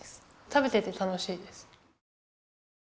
食べてて楽しいです。